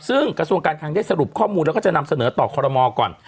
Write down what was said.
ซึ่งกระทรวงการคังได้สรุปข้อมูลแล้วก็จะนำเสนอต่อคอรมอก่อน